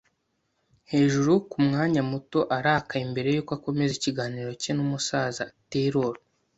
hejuru kumwanya muto arakaye mbere yuko akomeza ikiganiro cye numusaza Taylor,